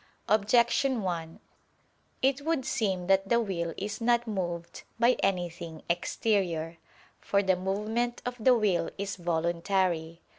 Objection 1: It would seem that the will is not moved by anything exterior. For the movement of the will is voluntary.